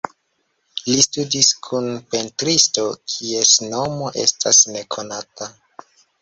Li studis kun pentristo kies nomo estas nekonata.